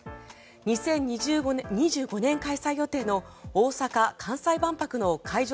２０２５年開催予定の大阪・関西万博の会場